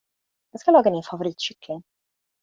Jag ska laga din favoritkyckling.